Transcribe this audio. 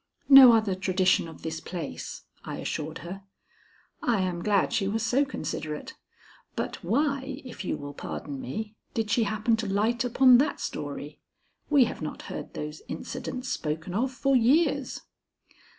"No other tradition of this place," I assured her. "I am glad she was so considerate. But why if you will pardon me did she happen to light upon that story? We have not heard those incidents spoken of for years."